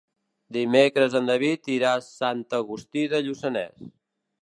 Dimecres en David irà a Sant Agustí de Lluçanès.